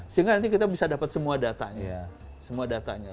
sehingga nanti kita bisa dapat semua datanya